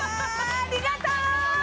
ありがとう！